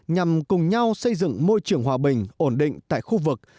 nhằm cùng nhau xây dựng môi trường hòa bình ổn định tại khu vực